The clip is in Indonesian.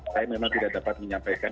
saya memang tidak dapat menyampaikan